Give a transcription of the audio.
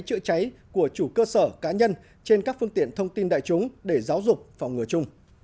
chữa cháy của chủ cơ sở cá nhân trên các phương tiện thông tin đại chúng để giáo dục phòng ngừa chung